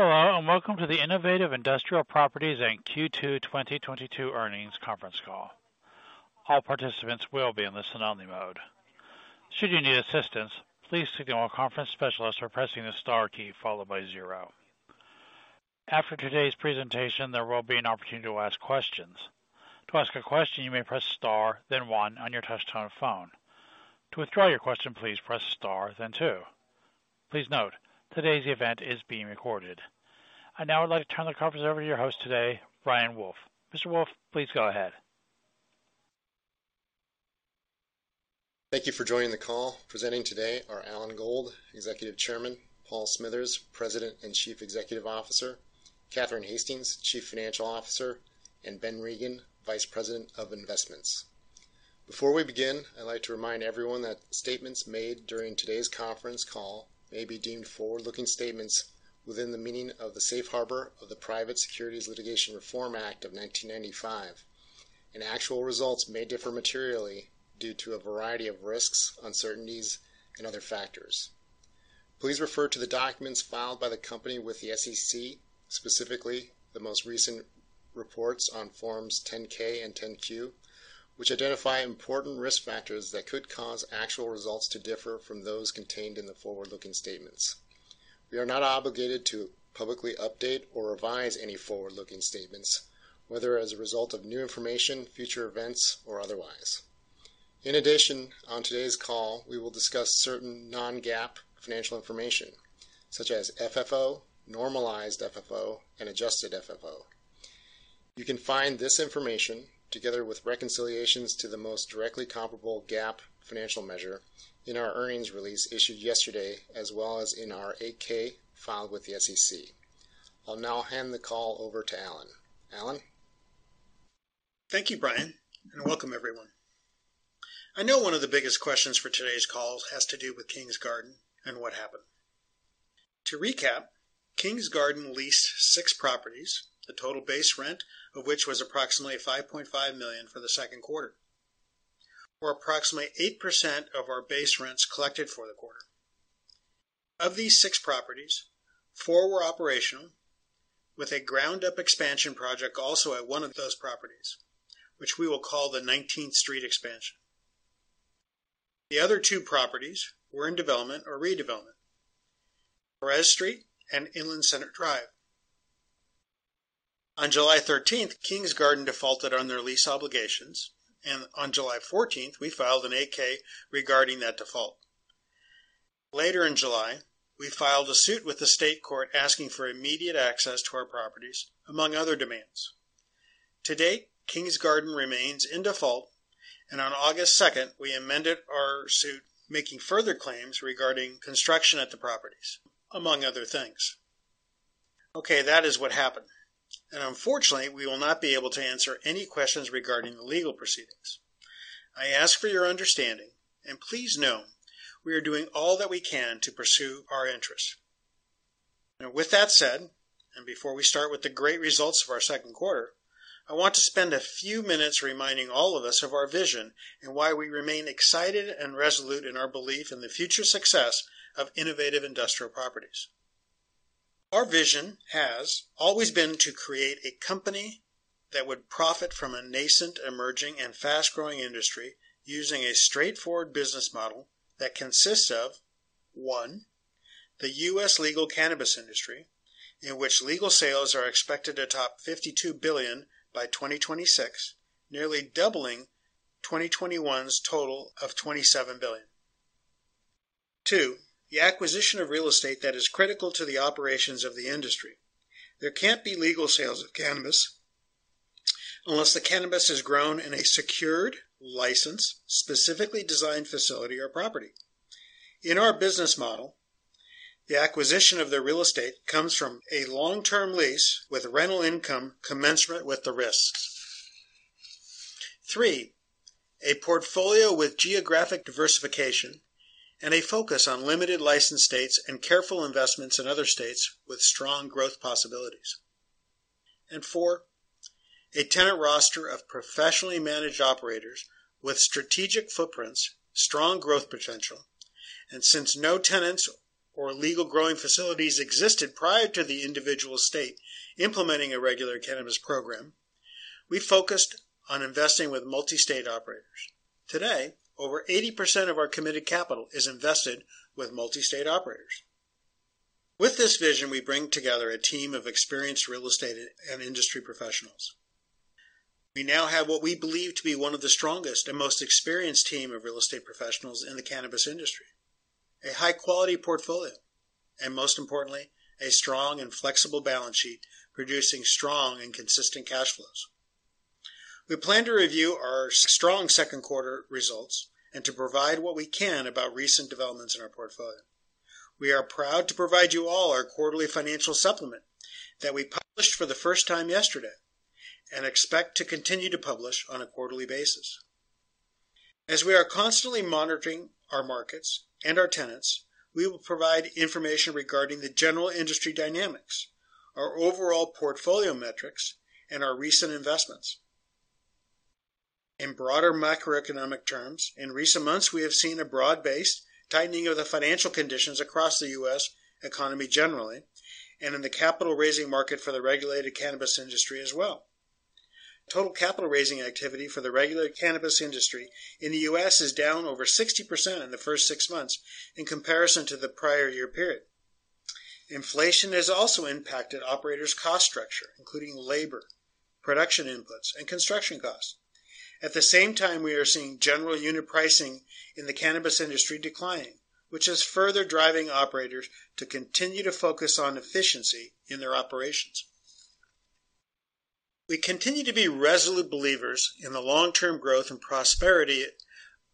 Hello, and welcome to the Innovative Industrial Properties Q2 2022 Earnings Conference Call. All participants will be in listen-only mode. Should you need assistance, please signal a conference specialist by pressing the star key followed by zero. After today's presentation, there will be an opportunity to ask questions. To ask a question, you may press star then one on your touch-tone phone. To withdraw your question, please press, star then two. Please note, today's event is being recorded. I'd now like to turn the conference over to your host today, Brian Wolfe. Mr. Wolfe, please go ahead. Thank you for joining the call. Presenting today are Alan Gold, Executive Chairman, Paul Smithers, President and Chief Executive Officer, Catherine Hastings, Chief Financial Officer, and Ben Regin, Vice President of Investments. Before we begin, I'd like to remind everyone that statements made during today's conference call may be deemed forward-looking statements within the meaning of the safe harbor of the Private Securities Litigation Reform Act of 1995, and actual results may differ materially due to a variety of risks, uncertainties, and other factors. Please refer to the documents filed by the company with the SEC, specifically the most recent reports on Forms 10-K and 10-Q, which identify important risk factors that could cause actual results to differ from those contained in the forward-looking statements. We are not obligated to publicly update or revise any forward-looking statements, whether as a result of new information, future events, or otherwise. In addition, on today's call we will discuss certain non-GAAP financial information such as FFO, normalized FFO, and adjusted FFO. You can find this information together with reconciliations to the most directly comparable GAAP financial measure in our earnings release issued yesterday, as well as in our 8-K filed with the SEC. I'll now hand the call over to Alan. Alan? Thank you, Brian, and welcome everyone. I know one of the biggest questions for today's call has to do with Kings Garden and what happened. To recap, Kings Garden leased six properties, the total base rent of which was approximately $5.5 million for the second quarter, or approximately 8% of our base rents collected for the quarter. Of these six properties, four were operational with a ground-up expansion project also at one of those properties, which we will call the Nineteenth Street expansion. The other two properties were in development or redevelopment, Perez Road and Inland Center Drive. On July 13th, Kings Garden defaulted on their lease obligations, and on July 14th, we filed an 8-K regarding that default. Later in July, we filed a suit with the state court asking for immediate access to our properties, among other demands. To date, Kings Garden remains in default, and on August 2nd, we amended our suit making further claims regarding construction at the properties, among other things. Okay, that is what happened, and unfortunately, we will not be able to answer any questions regarding the legal proceedings. I ask for your understanding and please know we are doing all that we can to pursue our interests. Now with that said, and before we start with the great results of our second quarter, I want to spend a few minutes reminding all of us of our vision and why we remain excited and resolute in our belief in the future success of Innovative Industrial Properties. Our vision has always been to create a company that would profit from a nascent, emerging, and fast-growing industry using a straightforward business model that consists of, one, the U.S. legal cannabis industry in which legal sales are expected to top $52 billion by 2026, nearly doubling 2021's total of $27 billion. Two, the acquisition of real estate that is critical to the operations of the industry. There can't be legal sales of cannabis unless the cannabis is grown in a secured, licensed, specifically designed facility or property. In our business model, the acquisition of the real estate comes from a long-term lease with rental income commensurate with the risks. Three, a portfolio with geographic diversification and a focus on limited licensed states and careful investments in other states with strong growth possibilities. Four, a tenant roster of professionally managed operators with strategic footprints, strong growth potential, and since no tenants or legal growing facilities existed prior to the individual state implementing a regular cannabis program, we focused on investing with multi-state operators. Today, over 80% of our committed capital is invested with multi-state operators. With this vision, we bring together a team of experienced real estate and industry professionals. We now have what we believe to be one of the strongest and most experienced team of real estate professionals in the cannabis industry, a high-quality portfolio, and most importantly, a strong and flexible balance sheet producing strong and consistent cash flows. We plan to review our strong second quarter results and to provide what we can about recent developments in our portfolio. We are proud to provide you all our quarterly financial supplement that we published for the first time yesterday and expect to continue to publish on a quarterly basis. As we are constantly monitoring our markets and our tenants, we will provide information regarding the general industry dynamics, our overall portfolio metrics, and our recent investments. In broader macroeconomic terms, in recent months, we have seen a broad-based tightening of the financial conditions across the U.S. economy generally, and in the capital raising market for the regulated cannabis industry as well. Total capital raising activity for the regulated cannabis industry in the U.S. is down over 60% in the first six months in comparison to the prior year period. Inflation has also impacted operators' cost structure, including labor, production inputs, and construction costs. At the same time, we are seeing general unit pricing in the cannabis industry declining, which is further driving operators to continue to focus on efficiency in their operations. We continue to be resolute believers in the long-term growth and prosperity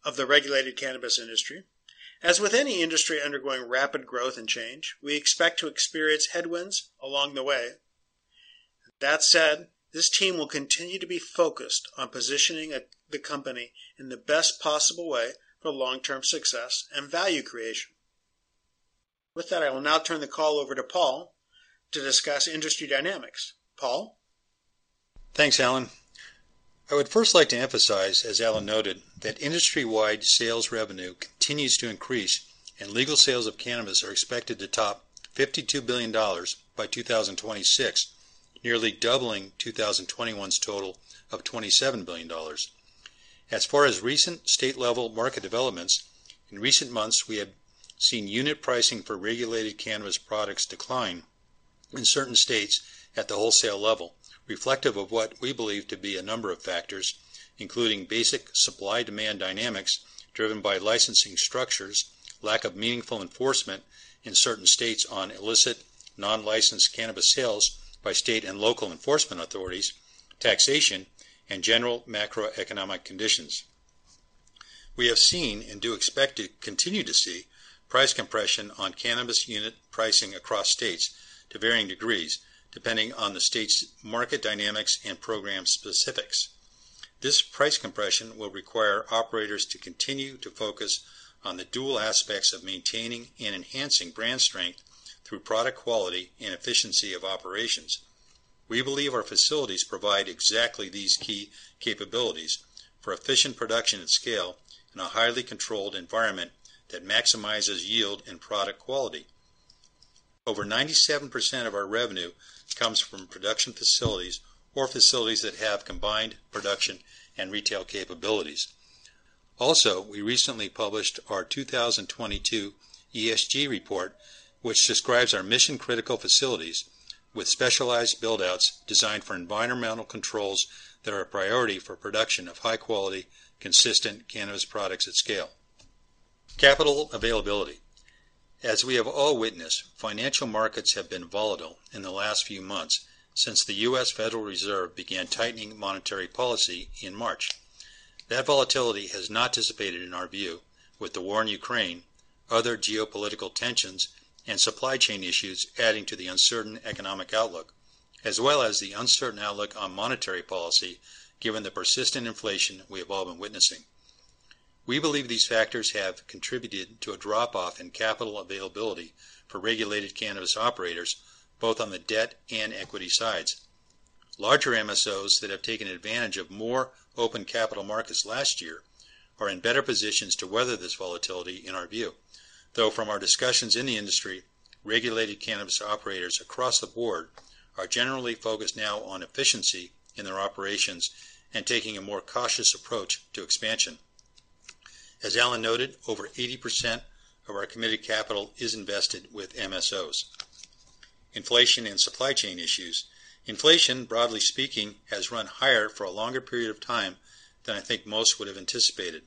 of the regulated cannabis industry. As with any industry undergoing rapid growth and change, we expect to experience headwinds along the way. That said, this team will continue to be focused on positioning the company in the best possible way for long-term success and value creation. With that, I will now turn the call over to Paul to discuss industry dynamics. Paul? Thanks, Alan. I would first like to emphasize, as Alan noted, that industry-wide sales revenue continues to increase, and legal sales of cannabis are expected to top $52 billion by 2026, nearly doubling 2021's total of $27 billion. As far as recent state-level market developments, in recent months, we have seen unit pricing for regulated cannabis products decline in certain states at the wholesale level, reflective of what we believe to be a number of factors, including basic supply-demand dynamics driven by licensing structures, lack of meaningful enforcement in certain states on illicit non-licensed cannabis sales by state and local enforcement authorities, taxation, and general macroeconomic conditions. We have seen and do expect to continue to see price compression on cannabis unit pricing across states to varying degrees, depending on the state's market dynamics and program specifics. This price compression will require operators to continue to focus on the dual aspects of maintaining and enhancing brand strength through product quality and efficiency of operations. We believe our facilities provide exactly these key capabilities for efficient production at scale in a highly controlled environment that maximizes yield and product quality. Over 97% of our revenue comes from production facilities or facilities that have combined production and retail capabilities. Also, we recently published our 2022 ESG report, which describes our mission-critical facilities with specialized build-outs designed for environmental controls that are a priority for production of high quality, consistent cannabis products at scale. Capital availability. As we have all witnessed, financial markets have been volatile in the last few months since the U.S. Federal Reserve began tightening monetary policy in March. That volatility has not dissipated, in our view, with the war in Ukraine, other geopolitical tensions, and supply chain issues adding to the uncertain economic outlook, as well as the uncertain outlook on monetary policy, given the persistent inflation we have all been witnessing. We believe these factors have contributed to a drop-off in capital availability for regulated cannabis operators, both on the debt and equity sides. Larger MSOs that have taken advantage of more open capital markets last year are in better positions to weather this volatility in our view. Though from our discussions in the industry, regulated cannabis operators across the board are generally focused now on efficiency in their operations and taking a more cautious approach to expansion. As Alan noted, over 80% of our committed capital is invested with MSOs. Inflation and supply chain issues. Inflation, broadly speaking, has run higher for a longer period of time than I think most would have anticipated.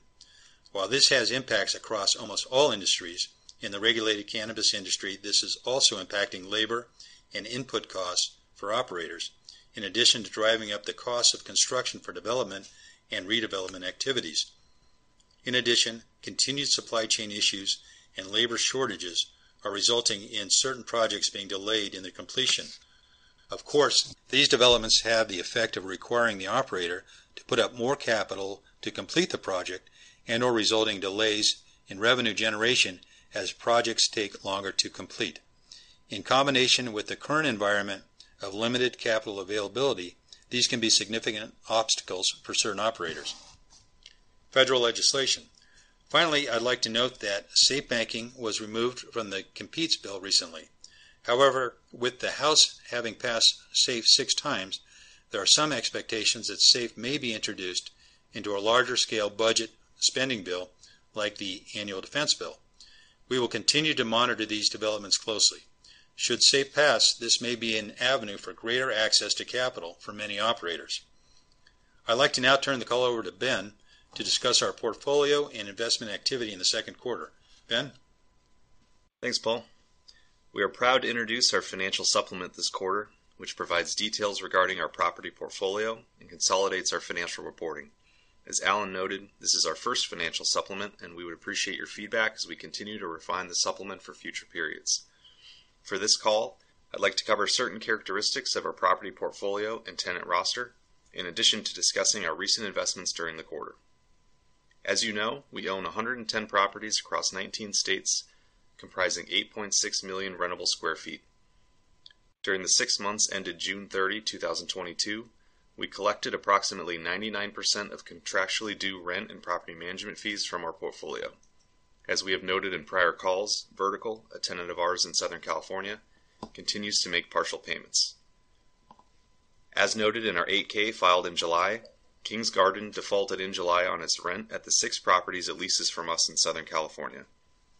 While this has impacts across almost all industries, in the regulated cannabis industry, this is also impacting labor and input costs for operators, in addition to driving up the cost of construction for development and redevelopment activities. In addition, continued supply chain issues and labor shortages are resulting in certain projects being delayed in their completion. Of course, these developments have the effect of requiring the operator to put up more capital to complete the project and/or resulting delays in revenue generation as projects take longer to complete. In combination with the current environment of limited capital availability, these can be significant obstacles for certain operators. Federal legislation. Finally, I'd like to note that SAFE Banking was removed from the COMPETES bill recently. However, with the House having passed SAFE six times, there are some expectations that SAFE may be introduced into a larger scale budget spending bill like the annual defense bill. We will continue to monitor these developments closely. Should SAFE pass, this may be an avenue for greater access to capital for many operators. I'd like to now turn the call over to Ben to discuss our portfolio and investment activity in the second quarter. Ben? Thanks, Paul. We are proud to introduce our financial supplement this quarter, which provides details regarding our property portfolio and consolidates our financial reporting. As Alan noted, this is our first financial supplement, and we would appreciate your feedback as we continue to refine the supplement for future periods. For this call, I'd like to cover certain characteristics of our property portfolio and tenant roster, in addition to discussing our recent investments during the quarter. As you know, we own 110 properties across 19 states, comprising 8.6 million rentable sq ft. During the six months ended June 30, 2022, we collected approximately 99% of contractually due rent and property management fees from our portfolio. As we have noted in prior calls, Vertical, a tenant of ours in Southern California, continues to make partial payments. As noted in our 8-K filed in July, Kings Garden defaulted in July on its rent at the six properties it leases from us in Southern California.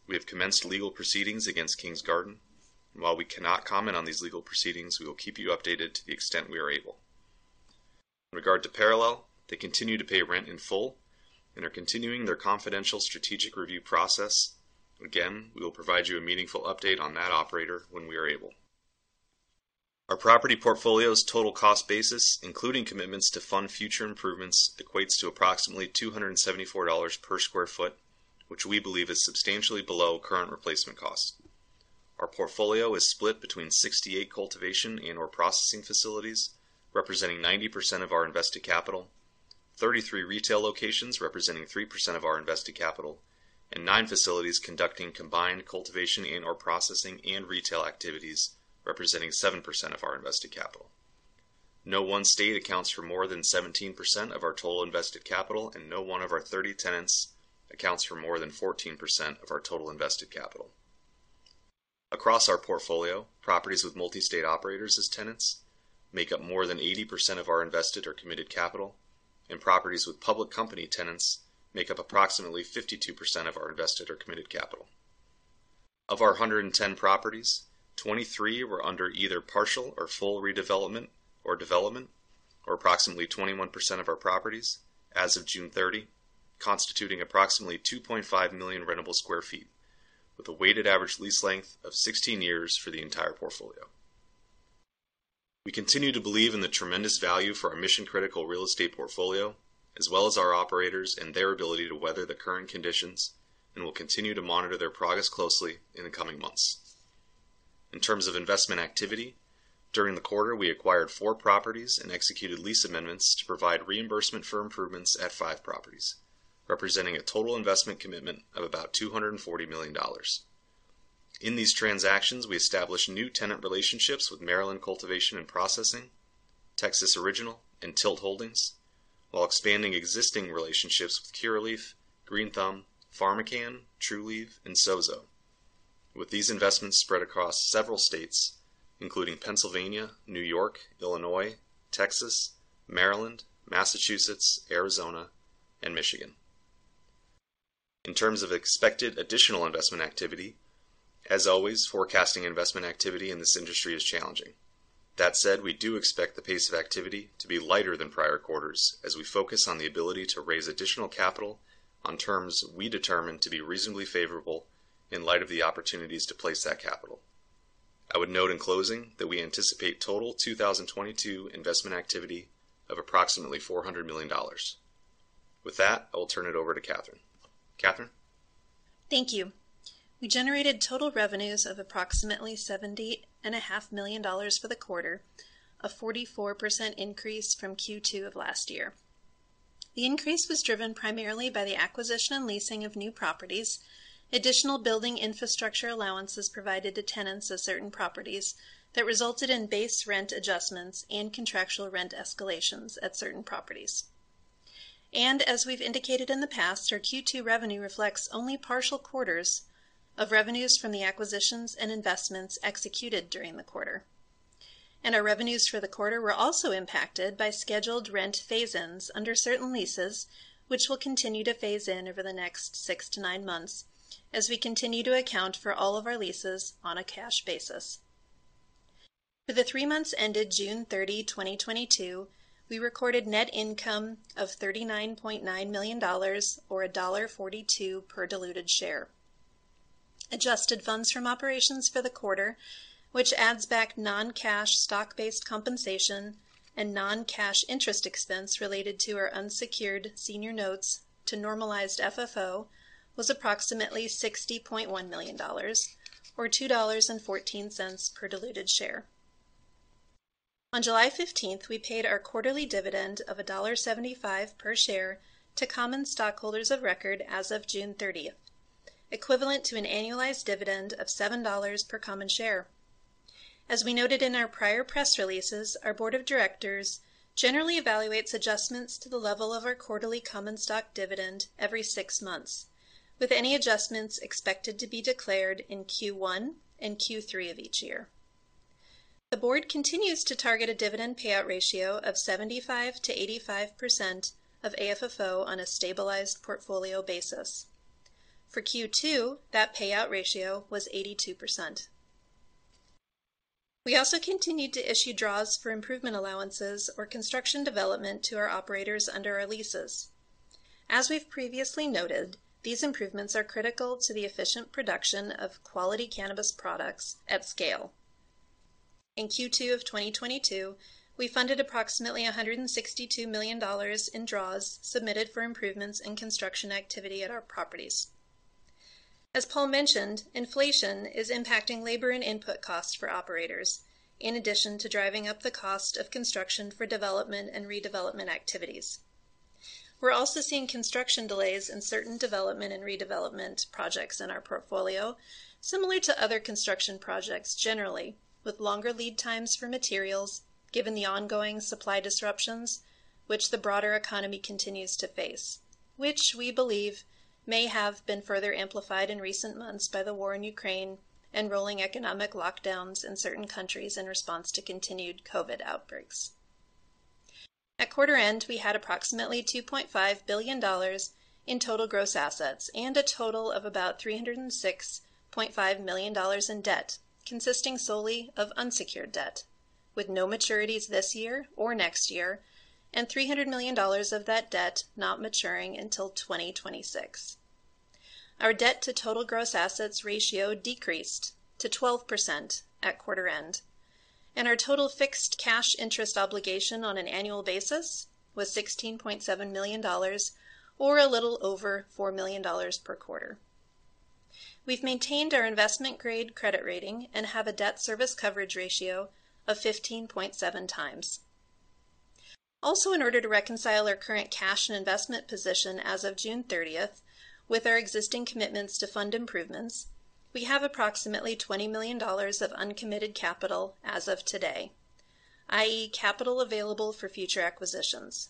We have commenced legal proceedings against Kings Garden. While we cannot comment on these legal proceedings, we will keep you updated to the extent we are able. In regard to Parallel, they continue to pay rent in full and are continuing their confidential strategic review process. Again, we will provide you a meaningful update on that operator when we are able. Our property portfolio's total cost basis, including commitments to fund future improvements, equates to approximately $274 per sq ft, which we believe is substantially below current replacement costs. Our portfolio is split between 68 cultivation and/or processing facilities, representing 90% of our invested capital, 33 retail locations representing 3% of our invested capital, and nine facilities conducting combined cultivation and/or processing and retail activities, representing 7% of our invested capital. No one state accounts for more than 17% of our total invested capital, and no one of our 30 tenants accounts for more than 14% of our total invested capital. Across our portfolio, properties with multi-state operators as tenants make up more than 80% of our invested or committed capital, and properties with public company tenants make up approximately 52% of our invested or committed capital. Of our 110 properties, 23 were under either partial or full redevelopment or development, or approximately 21% of our properties as of June 30, constituting approximately 2.5 million rentable sq ft, with a weighted average lease length of 16 years for the entire portfolio. We continue to believe in the tremendous value for our mission-critical real estate portfolio, as well as our operators and their ability to weather the current conditions, and we'll continue to monitor their progress closely in the coming months. In terms of investment activity, during the quarter, we acquired four properties and executed lease amendments to provide reimbursement for improvements at five properties, representing a total investment commitment of about $240 million. In these transactions, we established new tenant relationships with Maryland Cultivation and Processing, Texas Original, and TILT Holdings, while expanding existing relationships with Curaleaf, Green Thumb, PharmaCann, Trulieve, and Sozo, with these investments spread across several states, including Pennsylvania, New York, Illinois, Texas, Maryland, Massachusetts, Arizona, and Michigan. In terms of expected additional investment activity, as always, forecasting investment activity in this industry is challenging. That said, we do expect the pace of activity to be lighter than prior quarters as we focus on the ability to raise additional capital on terms we determine to be reasonably favorable in light of the opportunities to place that capital. I would note in closing that we anticipate total 2022 investment activity of approximately $400 million. With that, I will turn it over to Catherine. Catherine? Thank you. We generated total revenues of approximately $70.5 million for the quarter, a 44% increase from Q2 of last year. The increase was driven primarily by the acquisition and leasing of new properties, additional building infrastructure allowances provided to tenants of certain properties that resulted in base rent adjustments and contractual rent escalations at certain properties. As we've indicated in the past, our Q2 revenue reflects only partial quarters of revenues from the acquisitions and investments executed during the quarter. Our revenues for the quarter were also impacted by scheduled rent phase-ins under certain leases, which will continue to phase in over the next six to nine months as we continue to account for all of our leases on a cash basis. For the three months ended June 30, 2022, we recorded net income of $39.9 million or $1.42 per diluted share. Adjusted funds from operations for the quarter, which adds back non-cash stock-based compensation and non-cash interest expense related to our unsecured senior notes to normalized FFO, was approximately $60.1 million or $2.14 per diluted share. On July 15th, we paid our quarterly dividend of $1.75 per share to common stockholders of record as of June 30, equivalent to an annualized dividend of $7 per common share. As we noted in our prior press releases, our board of directors generally evaluates adjustments to the level of our quarterly common stock dividend every six months, with any adjustments expected to be declared in Q1 and Q3 of each year. The board continues to target a dividend payout ratio of 75%-85% of AFFO on a stabilized portfolio basis. For Q2, that payout ratio was 82%. We also continued to issue draws for improvement allowances or construction development to our operators under our leases. As we've previously noted, these improvements are critical to the efficient production of quality cannabis products at scale. In Q2 of 2022, we funded approximately $162 million in draws submitted for improvements in construction activity at our properties. As Paul mentioned, inflation is impacting labor and input costs for operators, in addition to driving up the cost of construction for development and redevelopment activities. We're also seeing construction delays in certain development and redevelopment projects in our portfolio, similar to other construction projects generally, with longer lead times for materials, given the ongoing supply disruptions which the broader economy continues to face, which we believe may have been further amplified in recent months by the war in Ukraine and rolling economic lockdowns in certain countries in response to continued COVID outbreaks. At quarter end, we had approximately $2.5 billion in total gross assets and a total of about $306.5 million in debt, consisting solely of unsecured debt, with no maturities this year or next year, and $300 million of that debt not maturing until 2026. Our debt to total gross assets ratio decreased to 12% at quarter end, and our total fixed cash interest obligation on an annual basis was $16.7 million or a little over $4 million per quarter. We've maintained our investment grade credit rating and have a debt service coverage ratio of 15.7 times. Also, in order to reconcile our current cash and investment position as of June 30th with our existing commitments to fund improvements, we have approximately $20 million of uncommitted capital as of today, i.e., capital available for future acquisitions.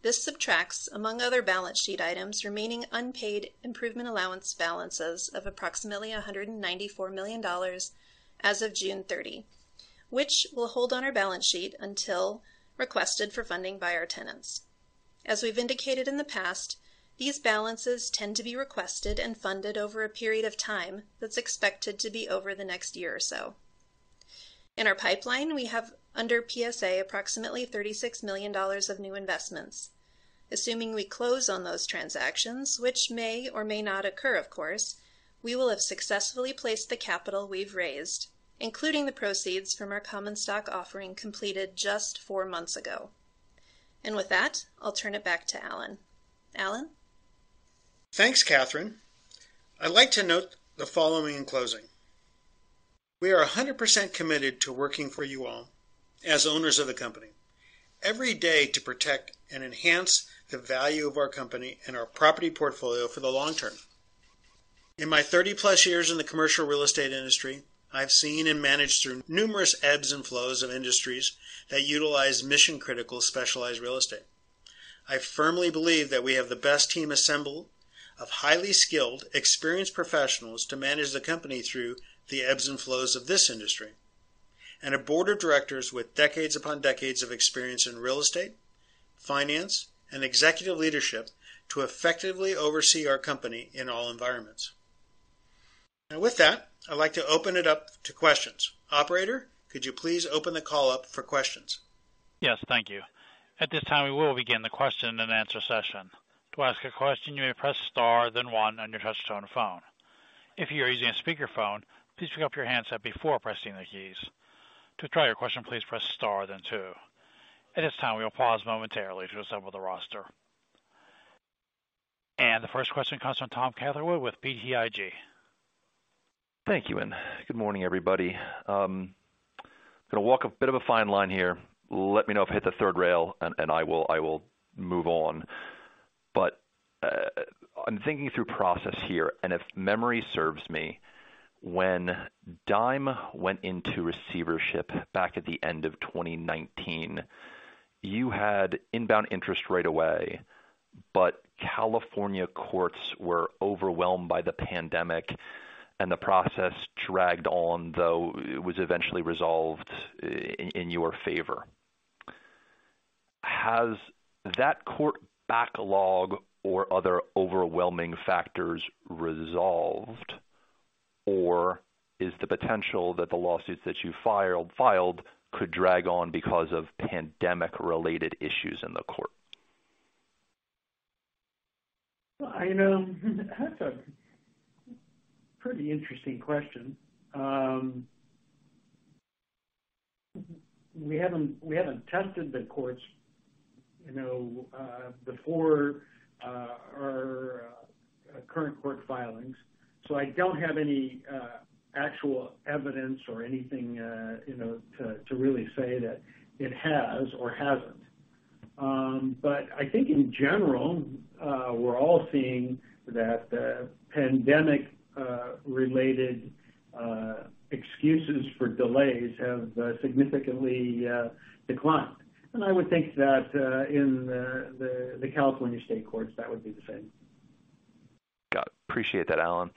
This subtracts, among other balance sheet items, remaining unpaid improvement allowance balances of approximately $194 million as of June 30, which will hold on our balance sheet until requested for funding by our tenants. As we've indicated in the past, these balances tend to be requested and funded over a period of time that's expected to be over the next year or so. In our pipeline, we have under PSA approximately $36 million of new investments. Assuming we close on those transactions, which may or may not occur, of course, we will have successfully placed the capital we've raised, including the proceeds from our common stock offering completed just four months ago. With that, I'll turn it back to Alan. Alan? Thanks, Catherine. I'd like to note the following in closing. We are 100% committed to working for you all as owners of the company every day to protect and enhance the value of our company and our property portfolio for the long term. In my 30+ years in the commercial real estate industry, I've seen and managed through numerous ebbs and flows of industries that utilize mission-critical specialized real estate. I firmly believe that we have the best team assembled of highly skilled, experienced professionals to manage the company through the ebbs and flows of this industry. A board of directors with decades upon decades of experience in real estate, finance, and executive leadership to effectively oversee our company in all environments. With that, I'd like to open it up to questions. Operator, could you please open the call up for questions? Yes. Thank you. At this time, we will begin the question and answer session. To ask a question, you may press Star, then one on your touch-tone phone. If you are using a speakerphone, please pick up your handset before pressing the keys. To withdraw your question, please press Star then two. At this time, we will pause momentarily to assemble the roster. The first question comes from Tom Catherwood with BTIG. Thank you, and good morning, everybody. Gonna walk a bit of a fine line here. Let me know if I hit the third rail, and I will move on. I'm thinking through process here, and if memory serves me, when DionyMed went into receivership back at the end of 2019, you had inbound interest right away, but California courts were overwhelmed by the pandemic, and the process dragged on, though it was eventually resolved in your favor. Has that court backlog or other overwhelming factors resolved, or is the potential that the lawsuits that you filed could drag on because of pandemic-related issues in the court? You know, that's a pretty interesting question. We haven't tested the courts, you know, before our current court filings, so I don't have any actual evidence or anything, you know, to really say that it has or hasn't. I think in general, we're all seeing that the pandemic related excuses for delays have significantly declined. I would think that in the California state courts, that would be the same. Got it. Appreciate that, Alan.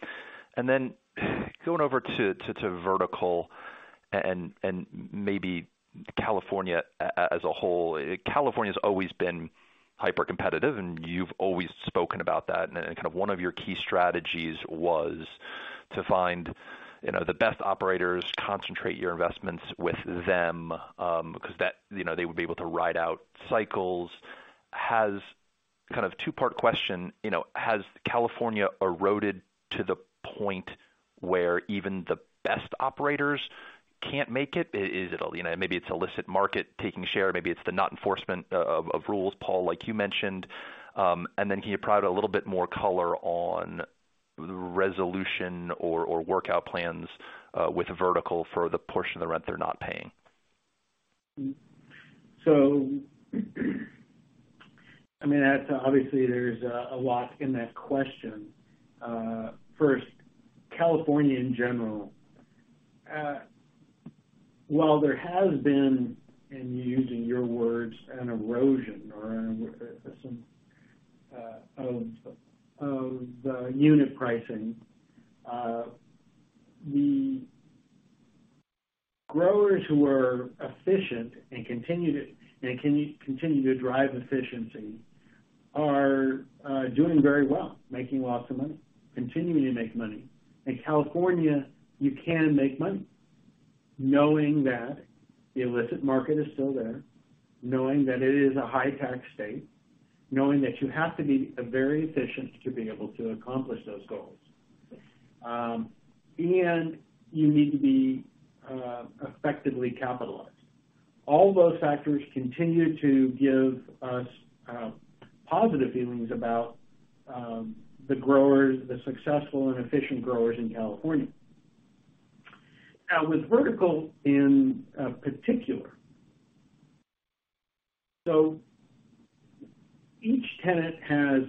Going over to Vertical and maybe California as a whole. California's always been hypercompetitive, and you've always spoken about that. Kind of one of your key strategies was to find, you know, the best operators, concentrate your investments with them, 'cause that, you know, they would be able to ride out cycles. Has kind of two-part question. You know, has California eroded to the point where even the best operators can't make it? Is it a, you know, maybe it's illicit market taking share, maybe it's the non-enforcement of rules, Paul, like you mentioned. Can you provide a little bit more color on resolution or workout plans with Vertical for the portion of the rent they're not paying? I mean, that's obviously there's a lot in that question. First, California in general, while there has been, and using your words, an erosion or some of the unit pricing. The growers who are efficient and continue to drive efficiency are doing very well, making lots of money, continuing to make money. In California, you can make money knowing that the illicit market is still there, knowing that it is a high tax state, knowing that you have to be very efficient to be able to accomplish those goals. You need to be effectively capitalized. All those factors continue to give us positive feelings about the growers, the successful and efficient growers in California. Now, with Vertical in particular. Each tenant has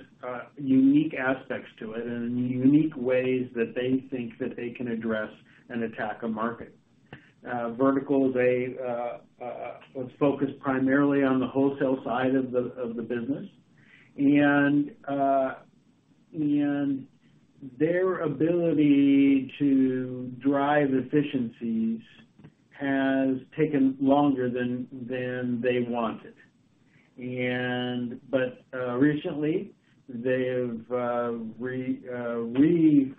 unique aspects to it and unique ways that they think that they can address and attack a market. Vertical was focused primarily on the wholesale side of the business. Their ability to drive efficiencies has taken longer than they wanted. Recently they have refocused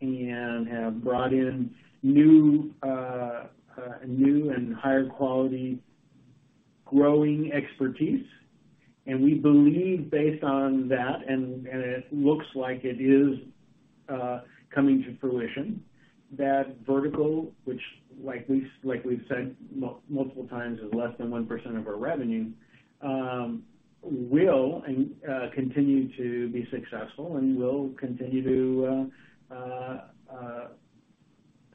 and have brought in new and higher quality growing expertise. We believe based on that, and it looks like it is coming to fruition, that Vertical, which like we've said multiple times, is less than 1% of our revenue, will continue to be successful and will continue to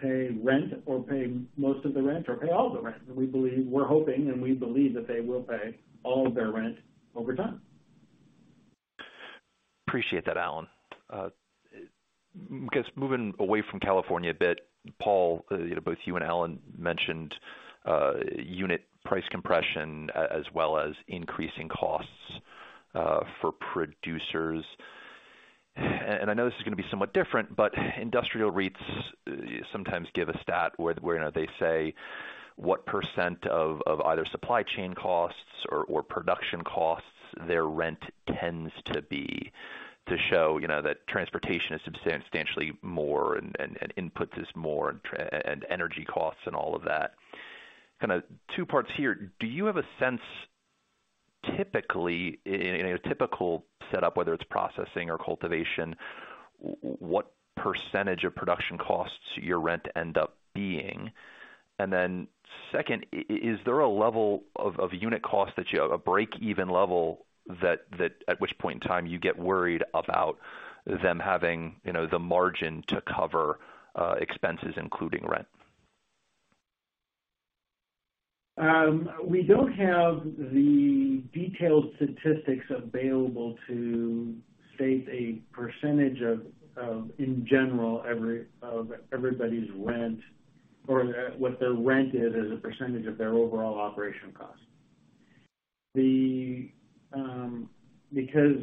pay rent or pay most of the rent or pay all the rent. We're hoping, and we believe that they will pay all of their rent over time. Appreciate that, Alan. I guess moving away from California a bit, Paul, you know, both you and Alan mentioned, unit price compression as well as increasing costs, for producers. I know this is gonna be somewhat different, but industrial REITs sometimes give a stat where, you know, they say what % of, either supply chain costs or, production costs their rent tends to be to show, you know, that transportation is substantially more and, inputs is more and energy costs and all of that. Kinda two parts here. Do you have a sense typically in, a typical setup, whether it's processing or cultivation, what percentage of production costs your rent end up being? Second, is there a level of unit cost that you have, a break-even level that at which point in time you get worried about them having, you know, the margin to cover expenses including rent? We don't have the detailed statistics available to state a percentage of in general everybody's rent or what their rent is as a percentage of their overall operation cost. Because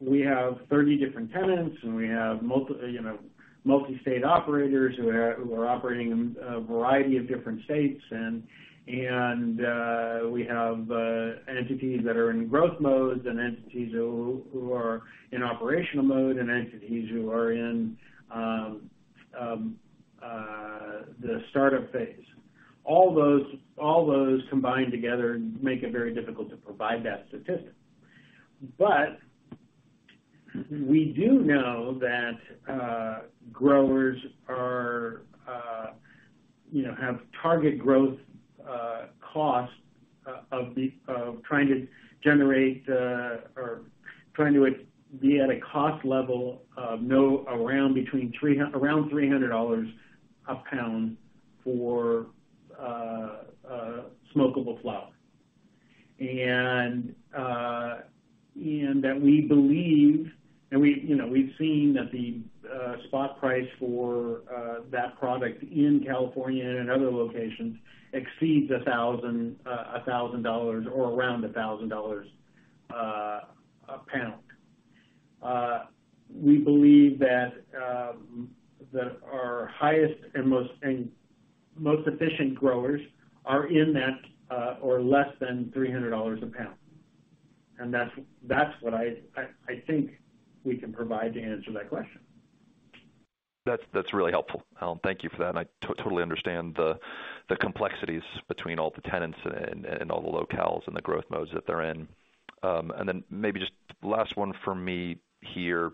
we have 30 different tenants, and we have you know, multi-state operators who are operating in a variety of different states, and we have entities that are in growth modes and entities who are in operational mode and entities who are in the startup phase. All those combined together make it very difficult to provide that statistic. We do know that growers are, you know, have target gross costs of trying to generate or trying to be at a cost level around $300 a pound for smokable flower. That we believe and we, you know, we've seen that the spot price for that product in California and in other locations exceeds $1,000 or around $1,000 a pound. We believe that our highest and most efficient growers are at that or less than $300 a pound. That's what I think we can provide to answer that question. That's really helpful, Alan. Thank you for that. I totally understand the complexities between all the tenants and all the locales and the growth modes that they're in. Then maybe just last one for me here.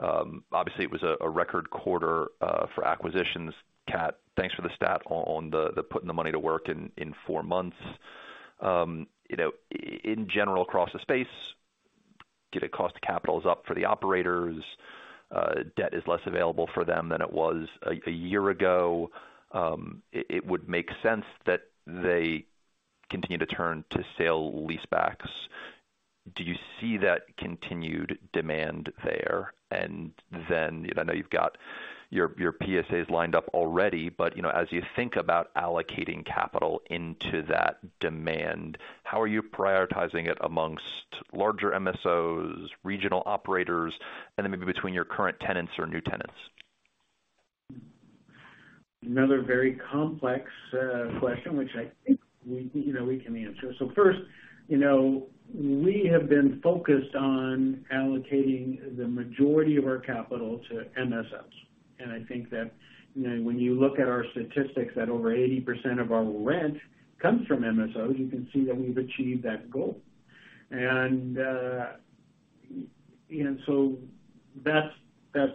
Obviously it was a record quarter for acquisitions. Cat, thanks for the stat on the putting the money to work in four months. You know, in general, across the space, the cost of capital is up for the operators. Debt is less available for them than it was a year ago. It would make sense that they continue to turn to sale leasebacks. Do you see that continued demand there? I know you've got your PSAs lined up already, but you know, as you think about allocating capital into that demand, how are you prioritizing it amongst larger MSOs, regional operators, and then maybe between your current tenants or new tenants? Another very complex question, which I think we, you know, we can answer. First, you know, we have been focused on allocating the majority of our capital to MSOs. I think that, you know, when you look at our statistics that over 80% of our rent comes from MSOs, you can see that we've achieved that goal. That's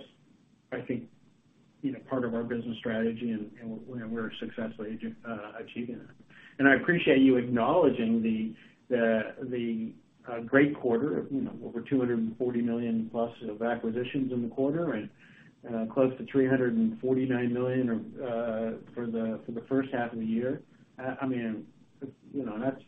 I think, you know, part of our business strategy, and we're successfully achieving that. I appreciate you acknowledging the great quarter of, you know, over $240 million plus of acquisitions in the quarter and close to $349 million for the first half of the year. I mean, you know, that's.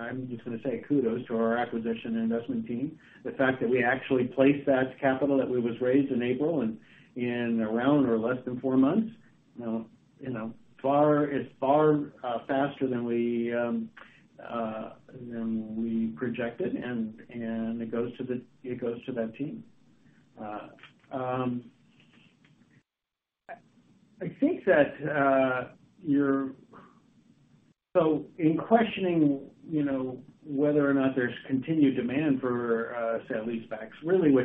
I'm just gonna say kudos to our acquisition investment team. The fact that we actually placed that capital that we was raised in April and in around or less than four months, you know, it's far faster than we projected, and it goes to that team. I think that your. In questioning, you know, whether or not there's continued demand for sale leasebacks, really what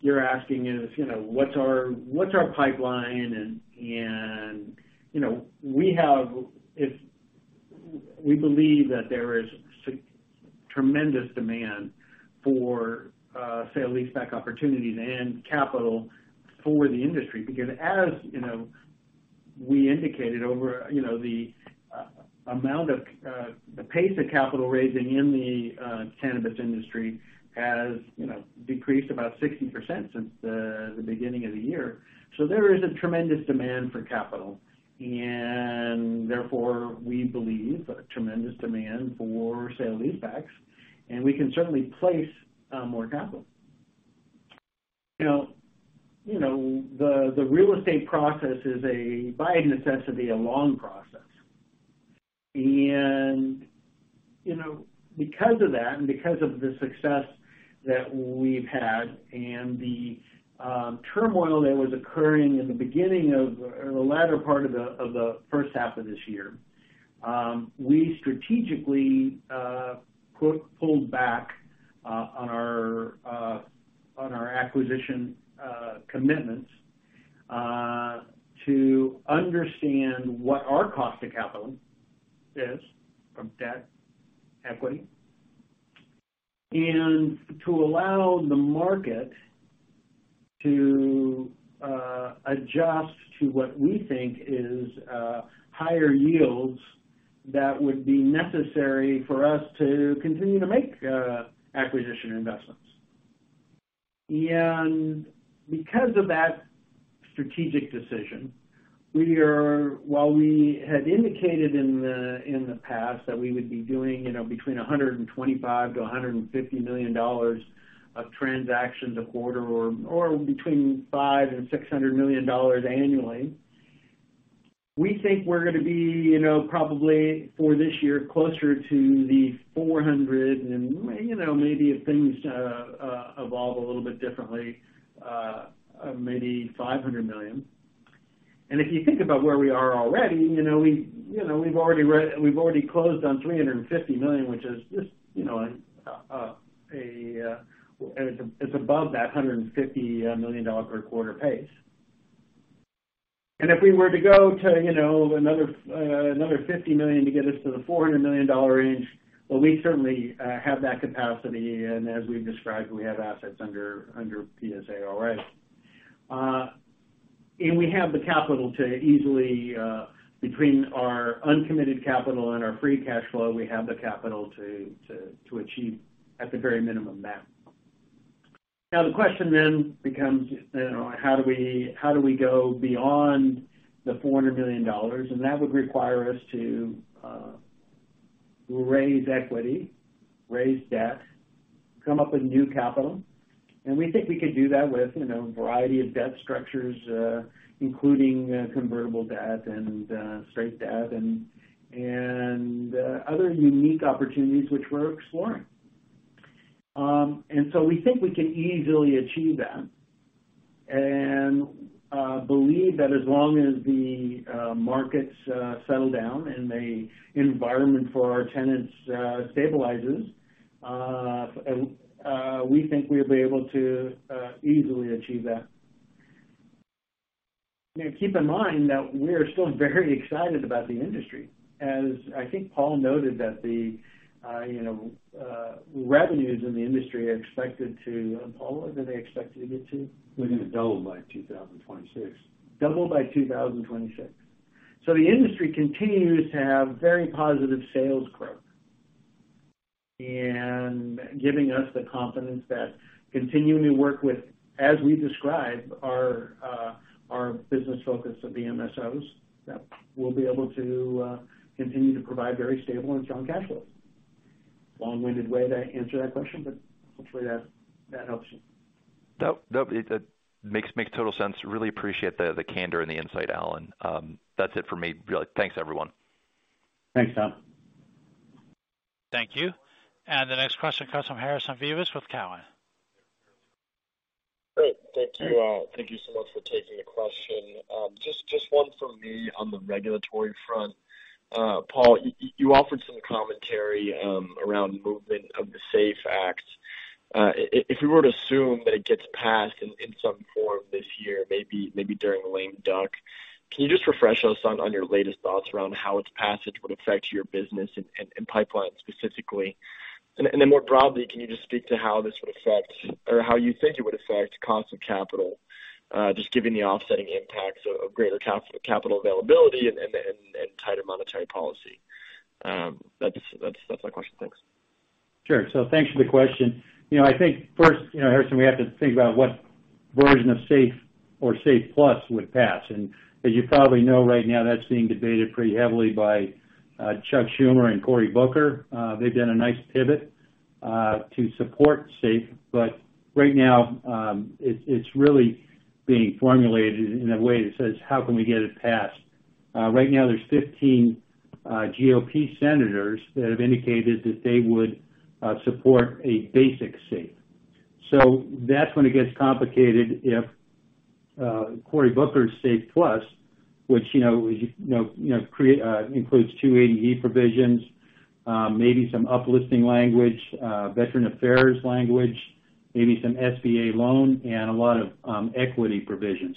you're asking is, you know, what's our pipeline? We believe that there is tremendous demand for sale leaseback opportunities and capital for the industry, because as you know, we indicated over you know the amount of the pace of capital raising in the cannabis industry has you know decreased about 60% since the beginning of the year. There is a tremendous demand for capital and therefore we believe a tremendous demand for sale leasebacks, and we can certainly place more capital. You know, the real estate process is a by its necessity a long process. Because of that and because of the success that we've had and the turmoil that was occurring in the beginning of or the latter part of the first half of this year, we strategically pulled back on our acquisition commitments to understand what our cost of capital is from debt, equity, and to allow the market to adjust to what we think is higher yields that would be necessary for us to continue to make acquisition investments. Because of that strategic decision, we are, while we had indicated in the past that we would be doing, you know, between $125 million and $150 million of transactions a quarter or between $500 million and $600 million annually, we think we're gonna be, you know, probably for this year, closer to the $400 million and, you know, maybe if things evolve a little bit differently, maybe $500 million. If you think about where we are already, you know, we, you know, we've already closed on $350 million, which is just, you know, a. It's above that $150 million per quarter pace. If we were to go to, you know, another $50 million to get us to the $400 million range, well, we certainly have that capacity. As we've described, we have assets under PSA already. We have the capital to easily, between our uncommitted capital and our free cash flow, we have the capital to achieve at the very minimum that. Now the question then becomes, you know, how do we go beyond the $400 million? That would require us to raise equity, raise debt, come up with new capital. We think we could do that with, you know, a variety of debt structures, including convertible debt and straight debt and other unique opportunities which we're exploring. We think we can easily achieve that and believe that as long as the markets settle down and the environment for our tenants stabilizes, we think we'll be able to easily achieve that. Keep in mind that we are still very excited about the industry. As I think Paul noted that the you know revenues in the industry are expected to. Paul, what did they expect it to get to? We're gonna double by 2026. Double by 2026. The industry continues to have very positive sales growth. Giving us the confidence that continuing to work with, as we described, our business focus of the MSOs, that we'll be able to continue to provide very stable and strong cash flow. Long-winded way to answer that question, but hopefully that helps you. Nope. It makes total sense. Really appreciate the candor and the insight, Alan. That's it for me. Really, thanks, everyone. Thanks, Tom. Thank you. The next question comes from Harrison Vivas with Cowen. Great. Thank you. Thank you so much for taking the question. Just one for me on the regulatory front. Paul, you offered some commentary around movement of the SAFE Act. If we were to assume that it gets passed in some form this year, maybe during lame duck, can you just refresh us on your latest thoughts around how its passage would affect your business and pipeline specifically? And then more broadly, can you just speak to how this would affect or how you think it would affect cost of capital, just given the offsetting impacts of greater capital availability and tighter monetary policy? That's my question. Thanks. Sure. Thanks for the question. You know, I think first, you know, Harrison, we have to think about what version of SAFE or SAFE Plus would pass. As you probably know, right now, that's being debated pretty heavily by Chuck Schumer and Cory Booker. They've done a nice pivot to support SAFE. Right now, it's really being formulated in a way that says, how can we get it passed? Right now there's 15 GOP senators that have indicated that they would support a basic SAFE. That's when it gets complicated, if Cory Booker's SAFE Plus, which, you know, includes 280E provisions, maybe some uplisting language, veteran affairs language, maybe some SBA loan and a lot of equity provisions.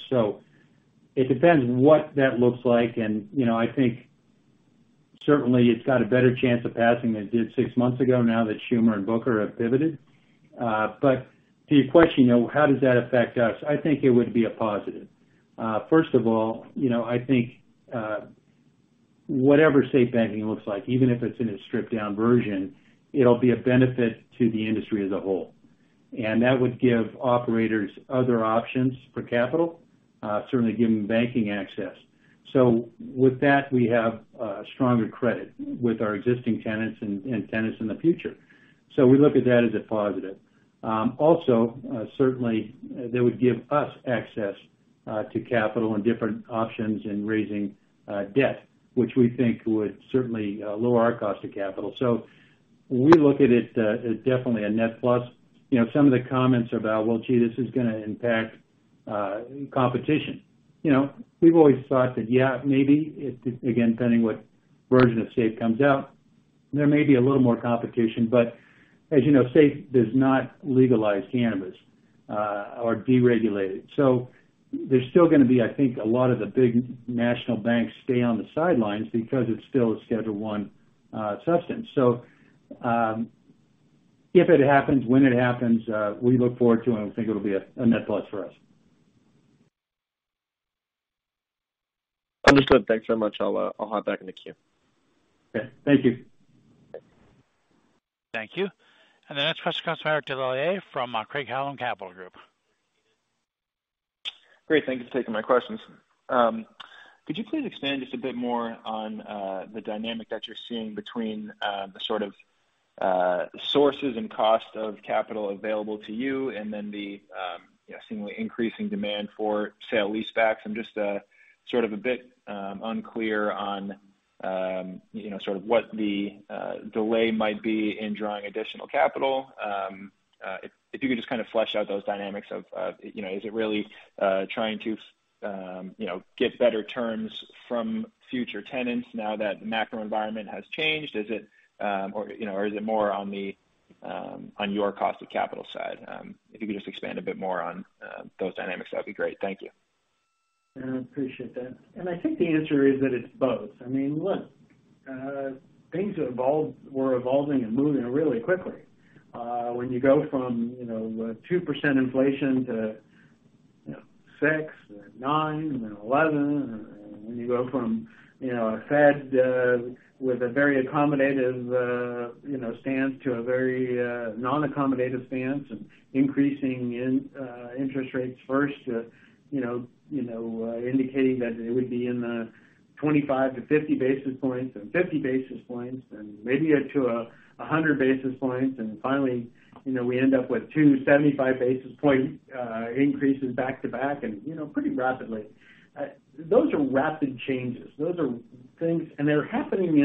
It depends what that looks like. You know, I think certainly it's got a better chance of passing than it did six months ago now that Schumer and Booker have pivoted. But to your question, how does that affect us? I think it would be a positive. First of all, you know, I think whatever SAFE Banking looks like, even if it's in a stripped down version, it'll be a benefit to the industry as a whole. And that would give operators other options for capital, certainly giving banking access. So with that, we have a stronger credit with our existing tenants and tenants in the future. So we look at that as a positive. Also, certainly they would give us access to capital and different options in raising debt, which we think would certainly lower our cost of capital. When we look at it, definitely a net plus. You know, some of the comments about, well, gee, this is gonna impact competition. You know, we've always thought that, yeah, maybe it, again, depending what version of SAFE comes out, there may be a little more competition, but as you know, SAFE does not legalize cannabis, or deregulate it. There's still gonna be, I think, a lot of the big national banks stay on the sidelines because it's still a Schedule I substance. If it happens, when it happens, we look forward to, and we think it'll be a net plus for us. Understood. Thanks very much. I'll hop back in the queue. Okay. Thank you. Thank you. The next question comes from Eric Des Lauriers from Craig-Hallum Capital Group. Great. Thank you for taking my questions. Could you please expand just a bit more on the dynamic that you're seeing between the sort of sources and cost of capital available to you and then the seemingly increasing demand for sale-leasebacks? I'm just sort of a bit unclear on you know sort of what the delay might be in drawing additional capital. If you could just kind of flesh out those dynamics of you know is it really trying to you know get better terms from future tenants now that the macro environment has changed? Is it or you know or is it more on the on your cost of capital side? If you could just expand a bit more on those dynamics, that'd be great. Thank you. I appreciate that. I think the answer is that it's both. I mean, look, things were evolving and moving really quickly. When you go from, you know, 2% inflation to, you know, 6% or 9% and 11%, and when you go from, you know, a Fed with a very accommodative, you know, stance to a very non-accommodative stance and increasing interest rates first to, you know, indicating that it would be in the 25-50 basis points and 50 basis points and maybe up to 100 basis points. Finally, you know, we end up with 275 basis point increases back-to-back and, you know, pretty rapidly. Those are rapid changes. Those are things, and they're happening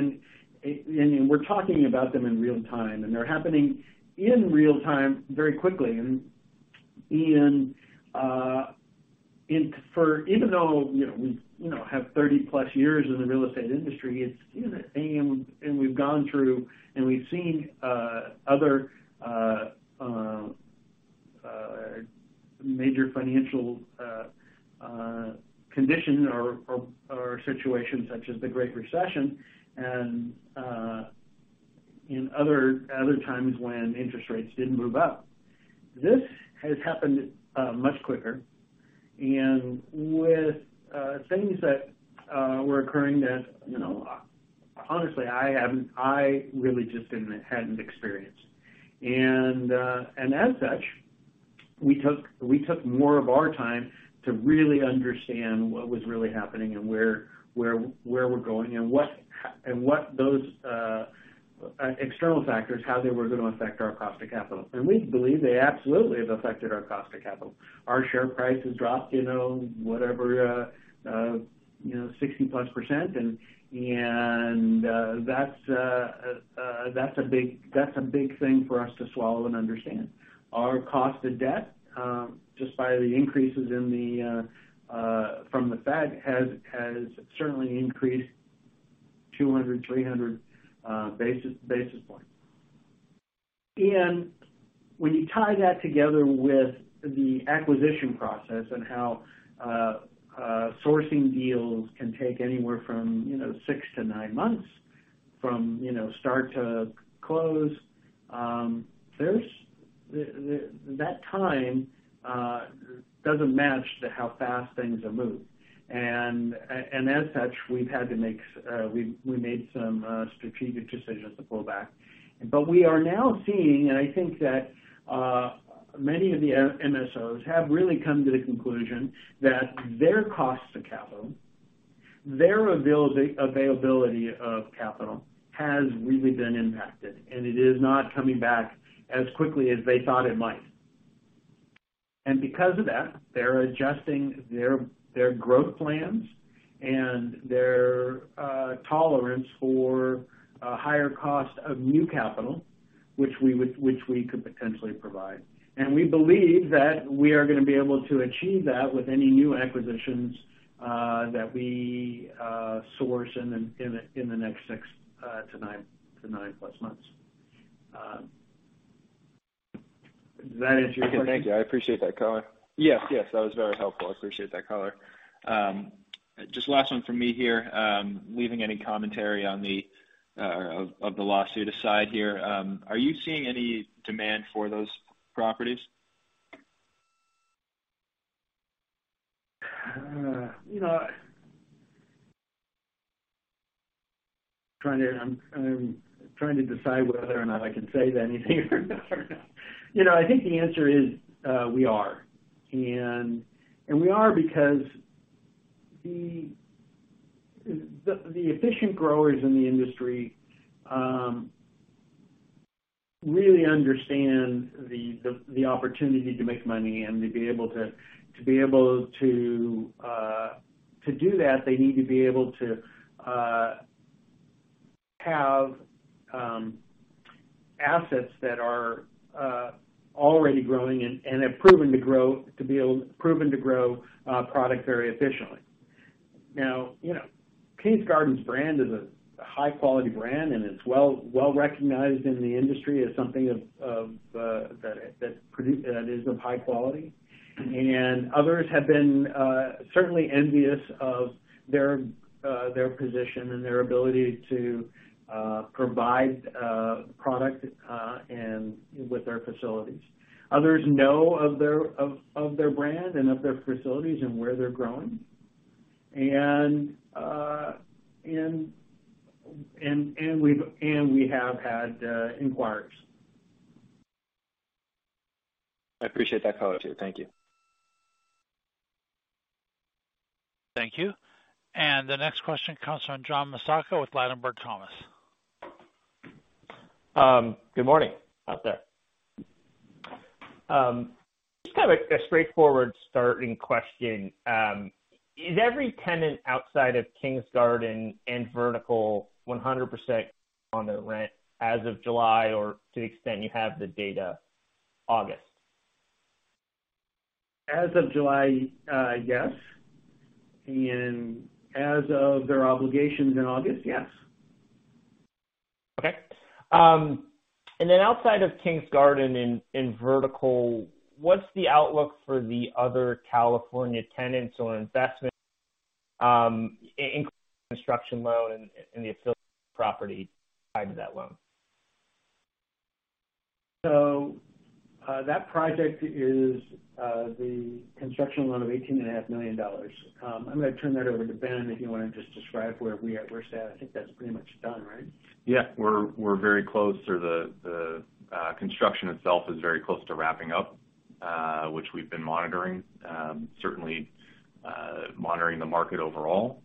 in We're talking about them in real time, and they're happening in real time very quickly. Even though, you know, we, you know, have 30+ years in the real estate industry, it's, you know. We've gone through, and we've seen other major financial condition or situation such as the Great Recession and in other times when interest rates didn't move up. This has happened much quicker and with things that were occurring that, you know, honestly, I hadn't experienced. As such, we took more of our time to really understand what was really happening and where we're going and what those external factors, how they were gonna affect our cost of capital. We believe they absolutely have affected our cost of capital. Our share price has dropped, you know, whatever, 60+% and that's a big thing for us to swallow and understand. Our cost of debt just by the increases in the from the Fed has certainly increased 200-300 basis points. When you tie that together with the acquisition process and how sourcing deals can take anywhere from six to nine months from start to close, that time doesn't match to how fast things are moving. As such, we made some strategic decisions to pull back. We are now seeing, and I think that, many of the MSOs have really come to the conclusion that their cost of capital, their availability of capital has really been impacted, and it is not coming back as quickly as they thought it might. Because of that, they're adjusting their growth plans and their tolerance for a higher cost of new capital, which we could potentially provide. We believe that we are gonna be able to achieve that with any new acquisitions that we source in the next six to nine plus months. That answers your question. Well, thank you. I appreciate that color. Yes, yes, that was very helpful. I appreciate that color. Just last one from me here. Leaving any commentary on the lawsuit aside here, are you seeing any demand for those properties? You know, I'm trying to decide whether or not I can say anything or not. You know, I think the answer is, we are. We are because the efficient growers in the industry really understand the opportunity to make money, and to be able to do that, they need to be able to have assets that are already growing and have proven to grow product very efficiently. Now, you know, Kings Garden's brand is a high-quality brand, and it's well-recognized in the industry as something of that is of high quality. Others have been certainly envious of their position and their ability to provide product and with their facilities. Others know of their brand and of their facilities and where they're growing. We have had inquirers. I appreciate that color too. Thank you. Thank you. The next question comes from John Massocca with Ladenburg Thalmann. Good morning out there. Just kind of a straightforward starting question. Is every tenant outside of Kings Garden and Vertical 100% on their rent as of July or to the extent you have the data, August? As of July, yes. As of their obligations in August, yes. Outside of Kings Garden and Vertical, what's the outlook for the other California tenants or investment, construction loan and the affiliate property tied to that loan? That project is the construction loan of $18.5 million. I'm gonna turn that over to Ben, if you wanna just describe where we're at. I think that's pretty much done, right? Yeah. We're very close, or the construction itself is very close to wrapping up, which we've been monitoring. Certainly, monitoring the market overall,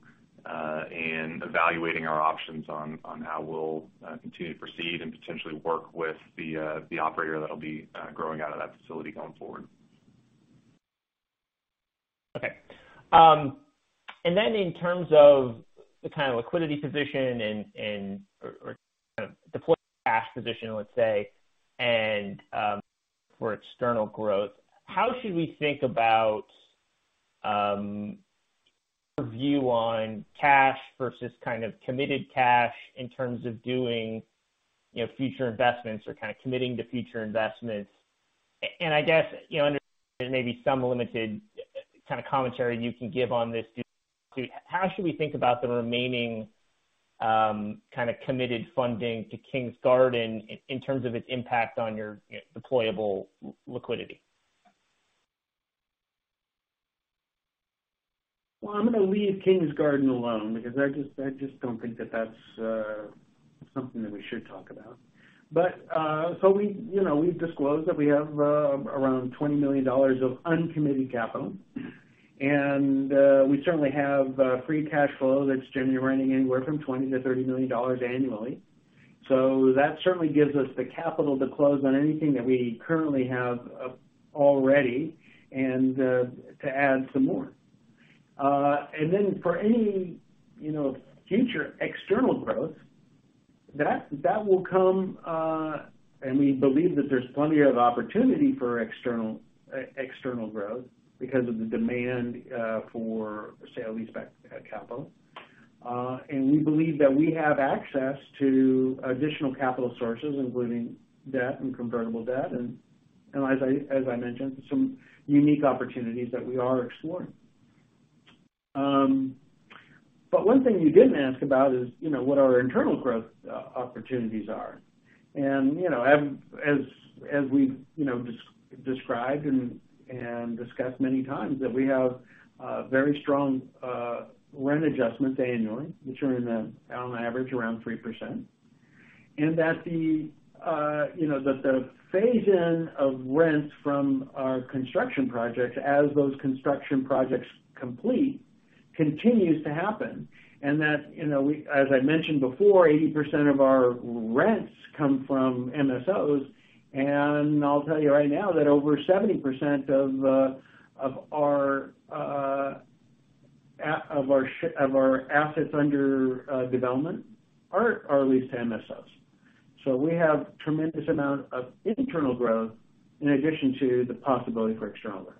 and evaluating our options on how we'll continue to proceed and potentially work with the operator that'll be growing out of that facility going forward. Okay. In terms of the kind of liquidity position and, or kind of deployed cash position, let's say, and, for external growth, how should we think about your view on cash versus kind of committed cash in terms of doing, you know, future investments or kind of committing to future investments. I guess, you know, there may be some limited kind of commentary you can give on this too. How should we think about the remaining kind of committed funding to Kings Garden in terms of its impact on your, you know, deployable liquidity? Well, I'm gonna leave Kings Garden alone because I just don't think that that's something that we should talk about. We, you know, we've disclosed that we have around $20 million of uncommitted capital. We certainly have free cash flow that's generally running anywhere from $20 million-$30 million annually. That certainly gives us the capital to close on anything that we currently have already and to add some more. For any, you know, future external growth, that will come and we believe that there's plenty of opportunity for external growth because of the demand for sale-leaseback capital. We believe that we have access to additional capital sources, including debt and convertible debt, and as I mentioned, some unique opportunities that we are exploring. One thing you didn't ask about is, you know, what our internal growth opportunities are. You know, as we've described and discussed many times, that we have very strong rent adjustments annually, which are, on average, around 3%. That the phase-in of rents from our construction projects as those construction projects complete continues to happen. That, you know, as I mentioned before, 80% of our rents come from MSOs. I'll tell you right now that over 70% of our assets under development are leased to MSOs. We have tremendous amount of internal growth in addition to the possibility for external growth.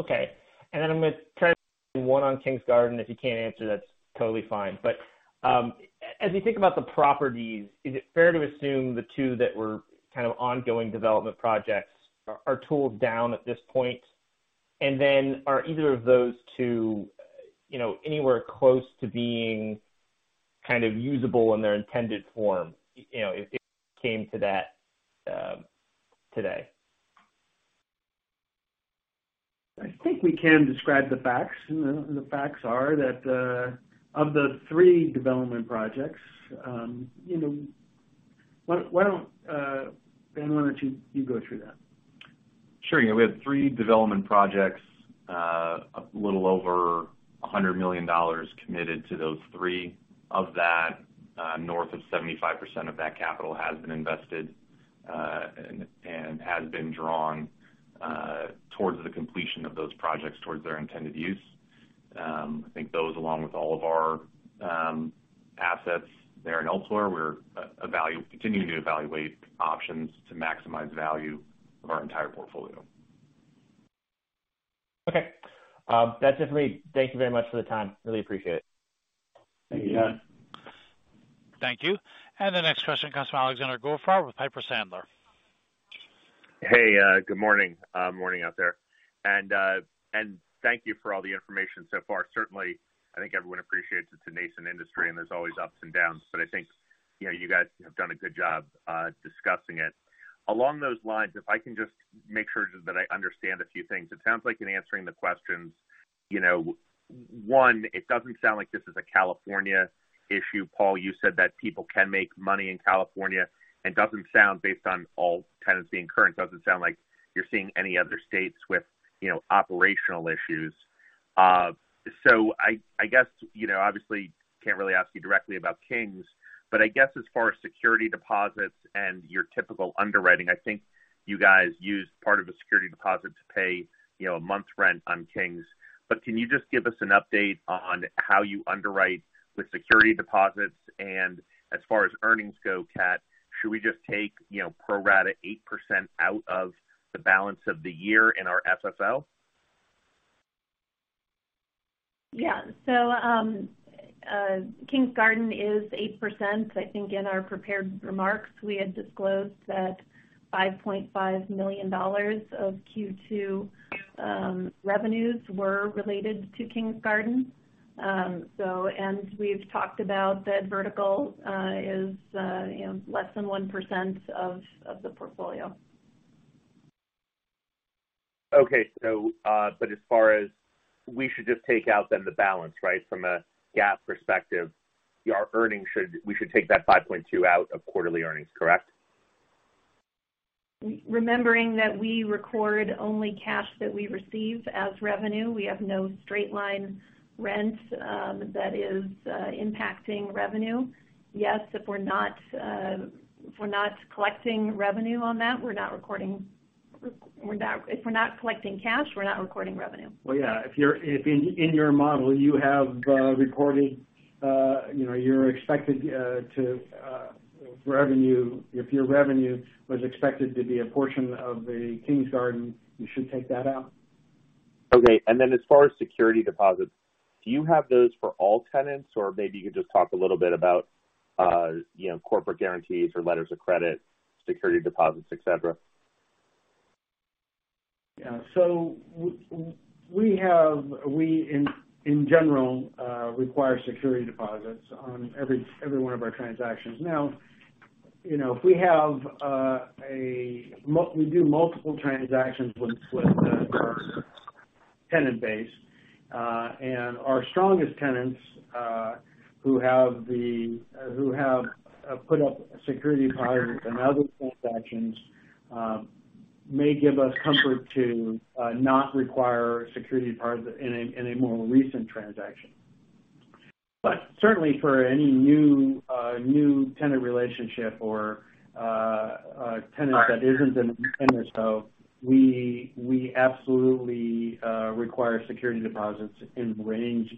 Okay. I'm gonna try one on Kings Garden. If you can't answer, that's totally fine. As we think about the properties, is it fair to assume the two that were kind of ongoing development projects are tooled down at this point? Are either of those two, you know, anywhere close to being kind of usable in their intended form, you know, if it came to that, today? I think we can describe the facts. The facts are that of the three development projects, you know. Why don't you, Ben, go through that? Sure. Yeah, we have three development projects, a little over $100 million committed to those three. Of that, north of 75% of that capital has been invested, and has been drawn, towards the completion of those projects towards their intended use. I think those, along with all of our assets there and elsewhere, we're continuing to evaluate options to maximize value of our entire portfolio. Okay. That's it for me. Thank you very much for the time. Really appreciate it. Thank you. Yeah. Thank you. The next question comes from Alexander Goldfarb with Piper Sandler. Hey, good morning. Morning out there. Thank you for all the information so far. Certainly, I think everyone appreciates it's a nascent industry, and there's always ups and downs, but I think, you know, you guys have done a good job discussing it. Along those lines, if I can just make sure that I understand a few things. It sounds like in answering the questions, you know, one, it doesn't sound like this is a California issue. Paul, you said that people can make money in California, and doesn't sound based on all tenancy and current, doesn't sound like you're seeing any other states with, you know, operational issues. I guess you know obviously can't really ask you directly about Kings, but I guess as far as security deposits and your typical underwriting, I think you guys used part of a security deposit to pay, you know, a month's rent on Kings. Can you just give us an update on how you underwrite with security deposits? As far as earnings go, Cat, should we just take, you know, pro rata 8% out of the balance of the year in our FFO? Kings Garden is 8%. I think in our prepared remarks, we had disclosed that $5.5 million of Q2 revenues were related to Kings Garden. We've talked about that Vertical, you know, is less than 1% of the portfolio. As far as we should just take out then the balance, right? From a GAAP perspective, our earnings we should take that $5.2 out of quarterly earnings, correct? Remembering that we record only cash that we receive as revenue. We have no straight-line rent, that is, impacting revenue. Yes, if we're not collecting revenue on that, we're not recording. If we're not collecting cash, we're not recording revenue. Well, yeah. If in your model you have recorded, you know, your expected revenue. If your revenue was expected to be a portion of the Kings Garden, you should take that out. Okay. As far as security deposits, do you have those for all tenants? Or maybe you could just talk a little bit about, you know, corporate guarantees or letters of credit, security deposits, et cetera? Yeah. We in general require security deposits on every one of our transactions. Now, you know, we do multiple transactions with our tenant base. Our strongest tenants who have put up security deposits in other transactions may give us comfort to not require security deposits in a more recent transaction. Certainly for any new tenant relationship or a tenant that isn't an independent, we absolutely require security deposits in range.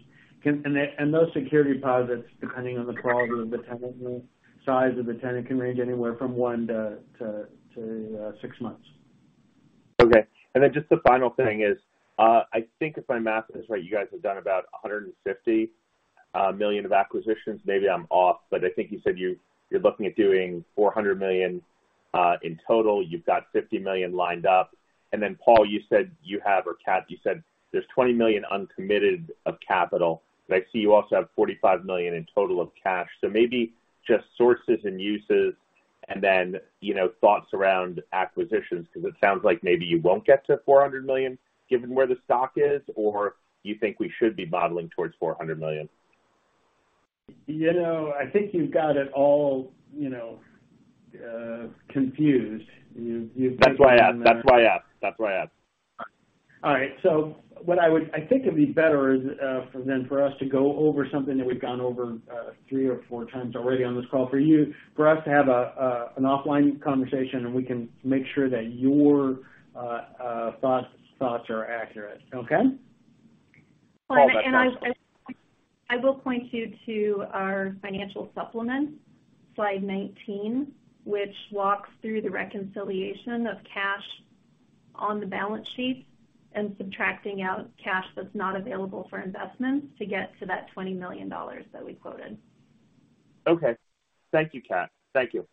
Those security deposits, depending on the quality of the tenant and size of the tenant, can range anywhere from one to six months. Okay. Just the final thing is, I think if my math is right, you guys have done about $150 million of acquisitions. Maybe I'm off, but I think you said you're looking at doing $400 million in total. You've got $50 million lined up. Paul, you said you have, or Cat, you said there's $20 million uncommitted of capital. I see you also have $45 million in total of cash. Maybe just sources and uses and then, you know, thoughts around acquisitions, because it sounds like maybe you won't get to $400 million given where the stock is, or you think we should be modeling towards $400 million. You know, I think you've got it all, you know, confused. That's why I asked. All right. I think it'd be better for us to go over something that we've gone over three or four times already on this call for you, for us to have an offline conversation, and we can make sure that your thoughts are accurate. Okay? All right. That's fine. I will point you to our financial supplement, slide 19, which walks through the reconciliation of cash on the balance sheet and subtracting out cash that's not available for investments to get to that $20 million that we quoted. Okay. Thank you, Cat. Thank you.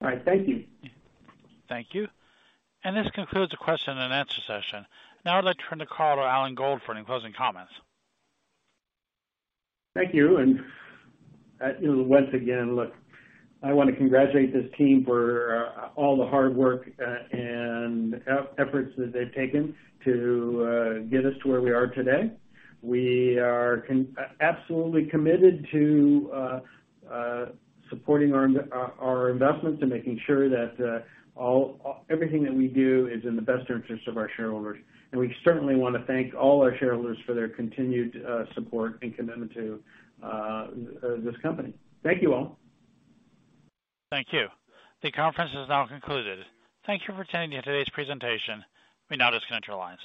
All right. Thank you. Thank you. This concludes the question and answer session. Now I'd like to turn the call to Alan Gold for any closing comments. Thank you. You know, once again, look, I wanna congratulate this team for all the hard work and efforts that they've taken to get us to where we are today. We are absolutely committed to supporting our investments and making sure that all everything that we do is in the best interest of our shareholders. We certainly wanna thank all our shareholders for their continued support and commitment to this company. Thank you all. Thank you. The conference is now concluded. Thank you for attending today's presentation. We now disconnect the lines.